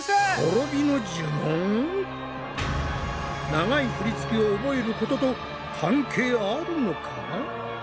長い振り付けを覚えることと関係あるのか？